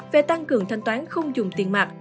về tăng cường thanh toán không dùng tiền mặt